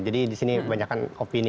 jadi di sini kebanyakan opini